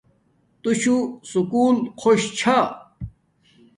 تُوشو سکُول خوش چھا